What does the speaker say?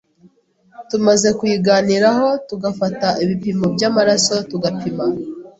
tumaze kuyiganiraho tugufata ibipimo by’amaraso tugapima